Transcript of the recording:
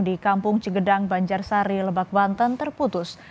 di kampung cegedang banjar sari lebak banten terputus